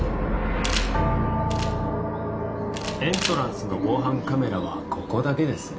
エントランスの防犯カメラはここだけですね？